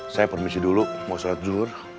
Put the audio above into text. saya permisi dulu mau selesai dulu